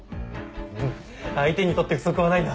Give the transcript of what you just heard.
うん相手にとって不足はないな。